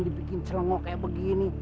dibikin celungok kayak begini